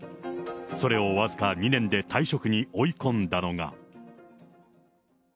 それを僅か２年で退職に追い込んだのが。